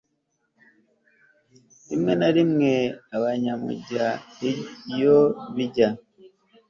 rimwe na rimwe aba nyamujya iyo bijya